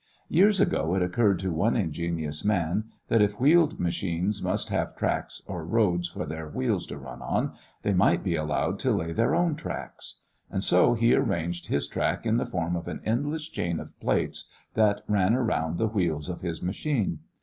Years ago it occured to one ingenious man that if wheeled machines must have tracks or roads for their wheels to run on, they might be allowed to lay their own tracks. And so he arranged his track in the form of an endless chain of plates that ran around the wheels of his machine.